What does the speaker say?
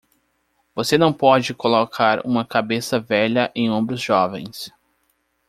Você não pode colocar uma cabeça velha em ombros jovens.